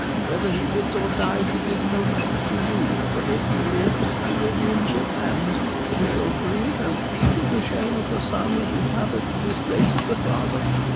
Whether he lives or dies it is no matter to you; but if he lives, he will be in good hands: you shall drink as deep of the shame of the son as you have of the disgrace of the father!'